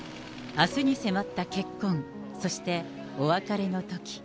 あすに迫った結婚、そして、お別れのとき。